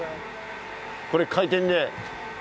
これ、回転で。